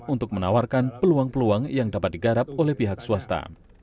untuk menawarkan peluang peluang yang dapat digarap oleh pihak swasta